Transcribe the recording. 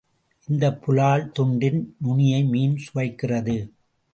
இந்தப் புலால் துண்டின் நுனியை மீன் சுவைக்கிறது!